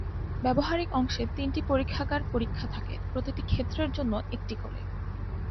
ব্যবহারিক অংশে তিনটি পরীক্ষাগার পরীক্ষা থাকে, প্রতিটি ক্ষেত্রের জন্য একটি করে।